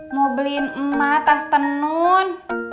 mau beliin emas tenun